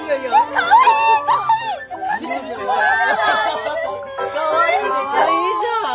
かわいいじゃん。